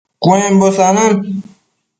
Cuembo sanan